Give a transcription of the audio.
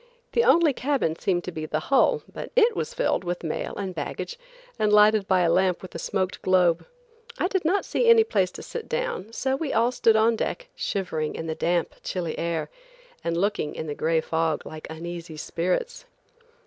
The only cabin seemed to be the hull, but it was filled with mail and baggage and lighted by a lamp with a smoked globe. I did not see any place to sit down, so we all stood on deck, shivering in the damp, chilly air, and looking in the gray fog like uneasy spirits.